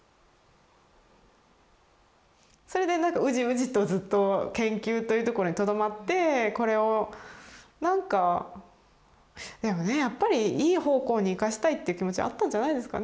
それでウジウジとずっと研究というところにとどまってこれをなんかでもねやっぱりいい方向に生かしたいっていう気持ちあったんじゃないですかね。